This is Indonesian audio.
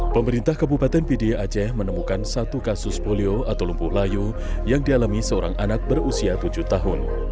pemerintah kabupaten pda aceh menemukan satu kasus polio atau lumpuh layu yang dialami seorang anak berusia tujuh tahun